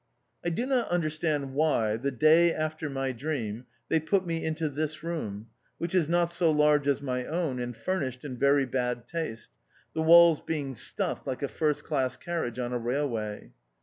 I do not understand why, the day after my dream, they put me into this room, which is not so large as my own, and furnished in very bad taste, the walls being stuffed like a first class carriage on a railway.